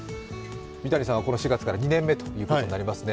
三谷さんはこの４月から２年目ということになりますね。